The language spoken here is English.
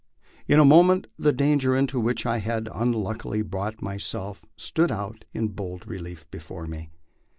In a moment the danger into which I had unluckily brought myself stood out in bold relief before me.